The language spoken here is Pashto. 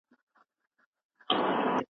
مدیر ویلي و چې ټول کارکوونکي باید په وخت راشي.